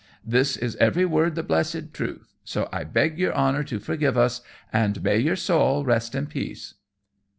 This is every word the blessid truth. So I beg your honor to forgive us, and may your soul rest in peace!"